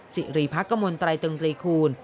สิริพักษ์กระมวลไตรตรงรีคูณ